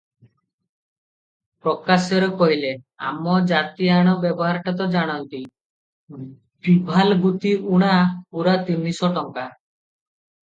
ପ୍ରକାଶ୍ୟରେ କହିଲେ- ଆମ ଜାତିଆଣ ବେଭାରଟା ତ ଜାଣନ୍ତି, ବିଭାଲଗୁତି ଊଣା ପୂରା ତିନିଶ ଟଙ୍କା ।